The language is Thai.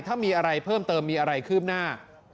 ถ้ามีอะไรเพิ่มเติมมีอะไรคืบหน้า